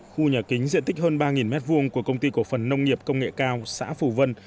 khu nhà kính diện tích hơn ba m hai của công ty cổ phần nông nghiệp công nghệ cao xã phù vân